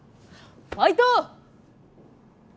ファイト！